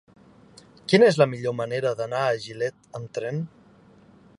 Quina és la millor manera d'anar a Gilet amb tren?